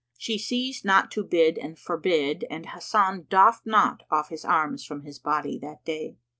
[FN#124] She ceased not to bid and forbid and Hasan doffed not off his arms from his body that day.